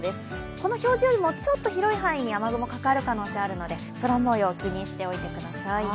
この表示よりも広い範囲に雨雲かかる可能性があるので、空もよう気にしておいてください。